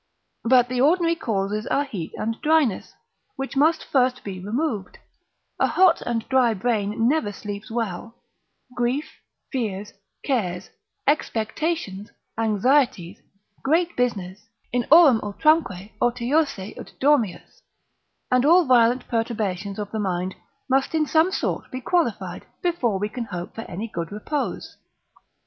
But the ordinary causes are heat and dryness, which must first be removed: a hot and dry brain never sleeps well: grief, fears, cares, expectations, anxieties, great businesses, In aurum utramque otiose ut dormias, and all violent perturbations of the mind, must in some sort be qualified, before we can hope for any good repose.